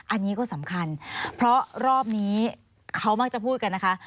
อันนี้ก็สำคัญเพราะรอบนี้เขามักจะพูดกันนะคะ